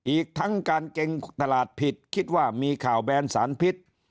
อีกทั้งการเกรงตลาดผิดคิดว่ามีข่าวแบนสารพิษ